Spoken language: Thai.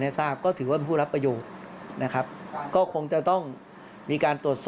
ในบุรุษเท่าไหร่